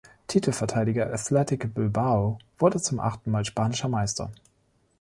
Titelverteidiger Athletic Bilbao wurde zum achten Mal spanischer Meister.